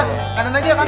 hah kanan aja kanan